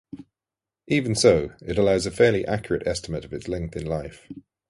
Even so, it allows a fairly accurate estimate of its length in life.